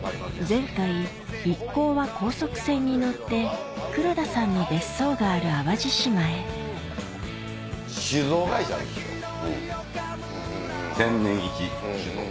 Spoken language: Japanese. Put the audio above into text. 前回一行は高速船に乗って黒田さんの別荘がある淡路島へ千年一酒造。